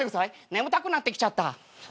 眠たくなってきちゃった。